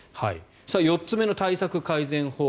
４つ目の対策・改善法